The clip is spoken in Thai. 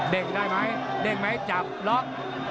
เด็กได้ไหมเด็กไหมจับล๊อค